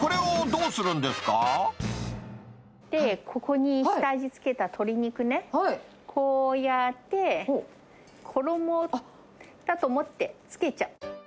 ここに下味付けた鶏肉ね、こうやって、衣だと思ってつけちゃう。